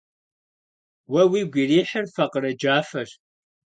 Уэ уигу ирихьыр факъырэ джафэщ.